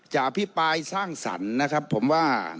จากพี่ปลายสร้างสรรนะครับผมว่า